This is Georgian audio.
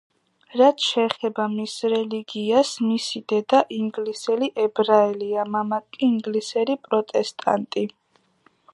რაც შეეხება მის რელიგიას, მისი დედა ინგლისელი ებრაელია, მამა კი ინგლისელი პროტესტანტი.